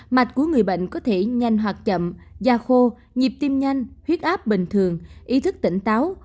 mặt của người bệnh có thể nhanh hoạt chậm da khô nhịp tim nhanh huyết áp bình thường ý thức tỉnh táo